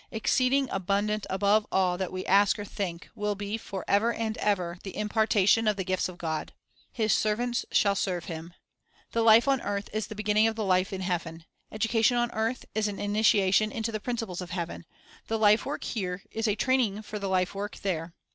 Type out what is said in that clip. "Exceed ing abundant above all that we ask or think" 4 will be, forever and forever, the impartation of the gifts of God. "His servants shall serve Him."' 1 The life on earth is the beginning of the life in heaven ; education on earth is an initiation into the principles of heaven; the life work here is a training for the life work there.